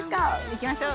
行きましょう！